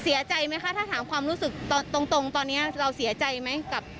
เสียใจไหมคะถ้าถามความรู้สึกตรงตอนนี้เราเสียใจไหมกับ